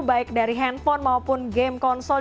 baik dari handphone maupun game konsol